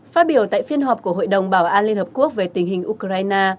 phát biểu tại phiên họp của hội đồng bảo an liên hợp quốc về tình hình ukraine